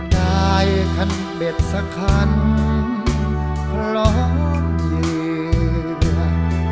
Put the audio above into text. ได้ขั้นเบ็ดสักขั้นพล้อมเยื่อ